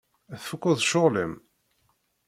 Tfukkeḍ ccɣel-im?